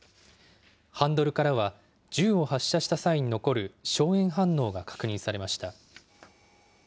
ハンドルからは、銃を発射した際に残る硝煙反応が確認されました。